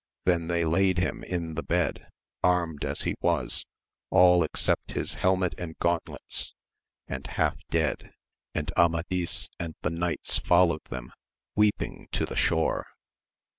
Then they laid him in the bed, armed as he was, all except his helmet and gauntlets, and half dead ; and Amadis and the knights followed them, weeping to the shore.